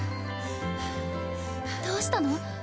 どうしたの？